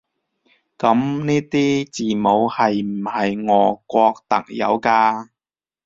噉呢啲字母係唔係俄國特有㗎？